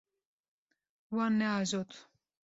Wan neajot.